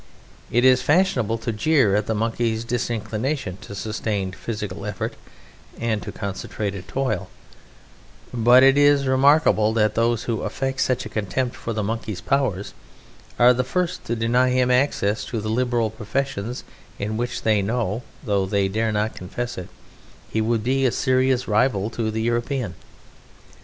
It is fashionable to jeer at the Monkey's disinclination to sustained physical effort and to concentrated toil; but it is remarkable that those who affect such a contempt for the Monkey's powers are the first to deny him access to the liberal professions in which they know (though they dare not confess it) he would be a serious rival to the European.